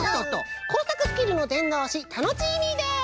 こうさくスキルのでんどうしタノチーミーです！